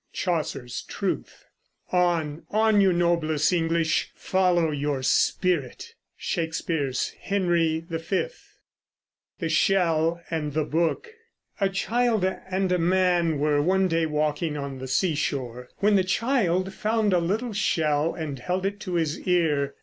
Chaucer's Truth On, on, you noblest English, ... Follow your spirit. Shakespeare's Henry V THE SHELL AND THE BOOK. A child and a man were one day walking on the seashore when the child found a little shell and held it to his ear.